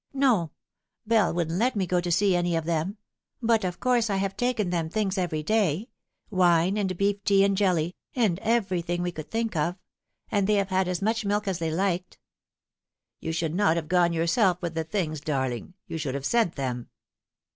" No ; Bell wouldn't let me go to see any of them ; but of course I have taken them things every day wine and beef tea and jelly, and everything we could think of ; and they have had as much milk as they liked." " You should not have gone yourself with the things, darling. You should have sent them."